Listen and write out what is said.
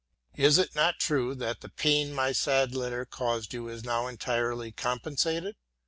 Is it not true that the pain my sad letter caused you is now entirely compensated?